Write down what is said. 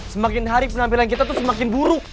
semakin hari penampilan kita tuh semakin buruk